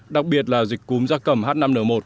đặc biệt là dịch cúm da cầm h năm n một